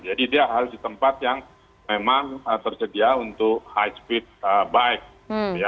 jadi dia harus di tempat yang memang tersedia untuk high speed bike